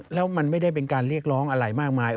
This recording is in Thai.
แล้วมันไม่ได้เป็นการเรียกร้องอะไรมากมาย